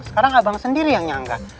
sekarang abang sendiri yang nyangga